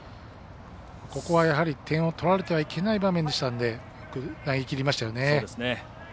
ここは、やはり点を取られてはいけない場面でしたのでよく投げきりましたよね。